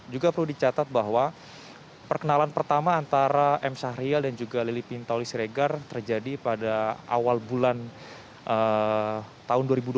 juga perlu dicatat bahwa perkenalan pertama antara m syahrial dan juga lili pintauli siregar terjadi pada awal bulan tahun dua ribu dua puluh